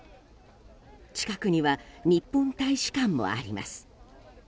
近くには日本大使館もあります。